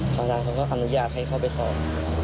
ตอนนั้นเขาก็อนุญาตให้เขาไปสอบ